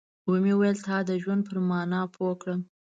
ومې ويل تا د ژوند پر مانا پوه کړم.